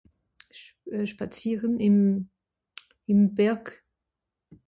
Sch... euh... spazieren im...im Berg.